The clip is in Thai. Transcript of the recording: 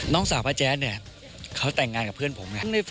น้องสาวป้าแจ๊ดเนี่ยเขาแต่งงานกับเพื่อนผมไง